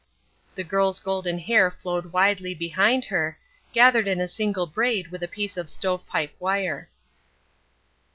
The girl's golden hair flowed widely behind her, gathered in a single braid with a piece of stovepipe wire.